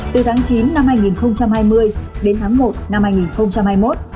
từ tháng chín năm hai nghìn hai mươi đến tháng một năm hai nghìn hai mươi một